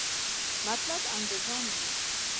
مطلب انګریزان وي.